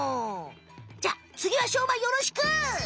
じゃあつぎはしょうまよろしく！